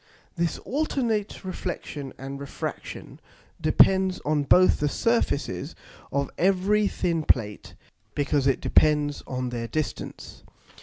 This alternate Reflexion and Refraction depends on both the Surfaces of every thin Plate, because it depends on their distance.